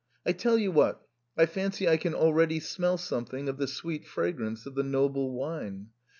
I tell you what, I fancy I can already smell something of the sweet fragrance of the noble wine.